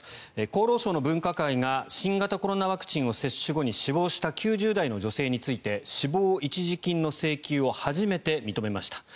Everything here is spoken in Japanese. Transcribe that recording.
厚労省の分科会が新型コロナワクチンを接種後に死亡した９０代の女性について死亡一時金の請求を初めて認めました。